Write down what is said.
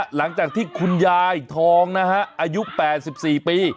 หลังจากที่คุณยายทองนะฮะอายุ๘๔ปี